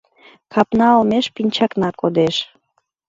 Капна олмеш пинчакна кодеш